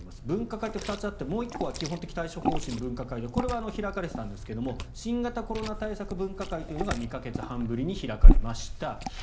分科会って２つあってもう１個は基本的対処方針分科会でこれは開かれていたんですけど新型コロナ対策分科会というのが２か月半ぶりに開かれました。